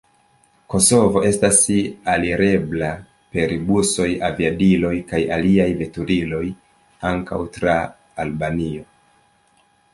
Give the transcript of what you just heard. Kosovo estas alirebla per busoj, aviadiloj kaj aliaj veturiloj, ankaŭ tra Albanio.